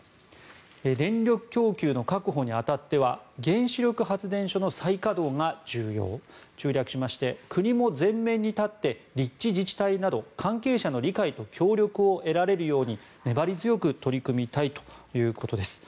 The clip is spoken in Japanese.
電力供給の確保に当たっては原子力発電所の再稼働が重要中略しまして国も前面に立って立地自治体など関係者の理解と協力を得られるように粘り強く取り組みたいということです。